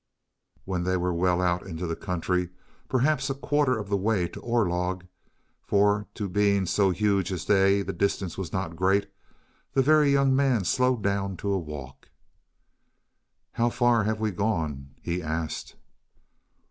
When they were well out into the country, perhaps a quarter of the way to Orlog for to beings so huge as they the distance was not great the Very Young Man slowed down to a walk. "How far have we gone?" he asked.